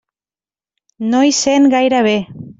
No hi sent gaire bé.